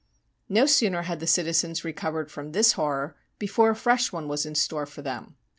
No sooner had the citizens recovered from this horror before a fresh one was in store for them.